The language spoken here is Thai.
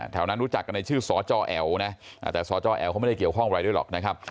นั้นรู้จักกันในชื่อสจแอ๋วนะแต่สจแอ๋วเขาไม่ได้เกี่ยวข้องอะไรด้วยหรอกนะครับ